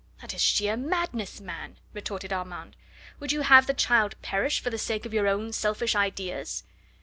"That is sheer madness, man," retorted Armand. "Would you have the child perish for the sake of your own selfish ideas?"